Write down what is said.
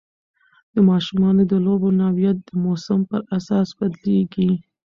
د ماشومانو د لوبو نوعیت د موسم پر اساس بدلېږي.